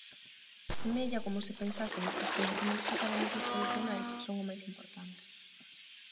Semella coma se pensásemos que os coñecementos académicos tradicionais son o máis importante.